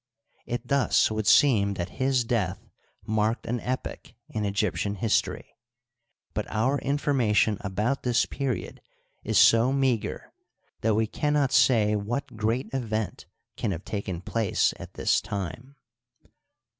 It thus would seem that his death marked an epoch in Egyptian history, but our information about this period is so meager that we can not say what great event can have taken place at this time.